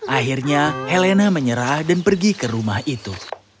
akhirnya helena menyerah dan pergi ke rumah itu